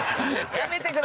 やめてください。